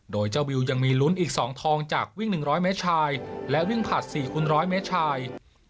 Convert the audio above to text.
โดยเจ้าบิลยังมีลุ้นอีกสองทองจากวิ่งหนึ่งร้อยเมตรชายและวิ่งผัดสี่คูณร้อยเมตรชาย